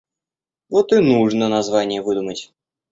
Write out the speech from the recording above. Вот и нужно название выдумать.